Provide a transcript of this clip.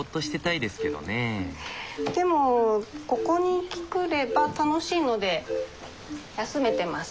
でもここに来れば楽しいので休めてます。